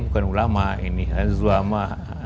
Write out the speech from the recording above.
bukan ulama ini ulama